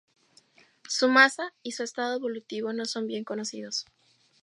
Su masa y su estado evolutivo no son bien conocidos.